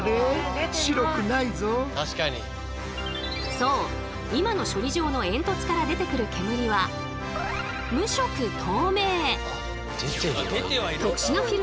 そう今の処理場の煙突から出てくる煙は無色透明！